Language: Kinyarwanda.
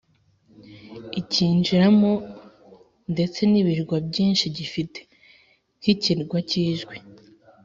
ikinjiramo ndetse n'ibirwa byinshi gifite, nk'ikirwa cy'ijwi